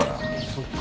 そっか。